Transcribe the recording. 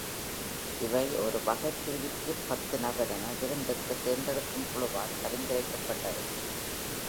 இவை ஒரு வகைப்பிரிவிற்கு பத்து நபர் என விருதுக்கு தேர்ந்தெடுக்கும் குழுவால் பரிந்துரைக்கப்பட்டவை.